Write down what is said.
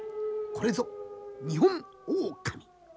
これぞニホンオオカミ。